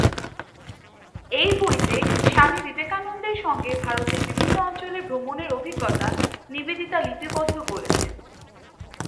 এই বইতে স্বামী বিবেকানন্দের সঙ্গে ভারতের বিভিন্ন অঞ্চলে ভ্রমণের অভিজ্ঞতা নিবেদিতা লিপিবদ্ধ করেছেন।